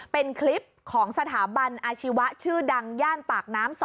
เป็นคลิปของสถาบันอาชีวะชื่อดังย่านปากน้ำ๒